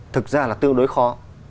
thực ra là tương đối khó